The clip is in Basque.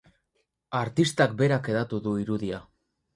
Artistak berak hedatu du irudia.